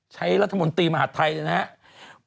รัฐมนตรีมหาดไทยนะครับ